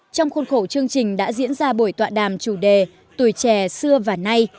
trong khuôn khổ chương trình đã diễn ra buổi tọa đàm chủ đề tuổi trẻ xưa và nay